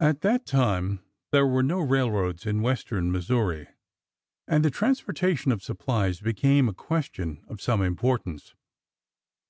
At that time there were no railroads in western Mis souri, and the transportation of supplies became a question of some importance.